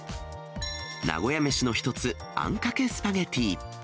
名古屋飯の一つ、あんかけスパゲティ。